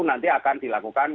nanti akan dilakukan